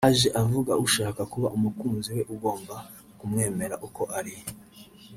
Haje avuga ushaka kuba umukunzi we ugomba kumwemera uko ari